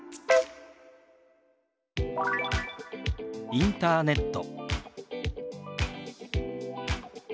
「インターネット」。